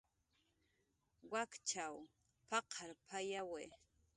"Wakchaw p""aqarpayawi "